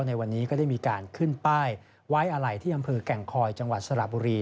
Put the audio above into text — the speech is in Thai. ในวันนี้ก็ได้มีการขึ้นป้ายไว้อะไรที่อำเภอแก่งคอยจังหวัดสระบุรี